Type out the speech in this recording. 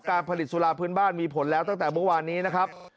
การผลิตสุราพื้นบ้านมีผลแล้วตั้งแต่เมื่อวานนี้นะครับ